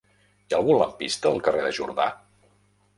Hi ha algun lampista al carrer de Jordà?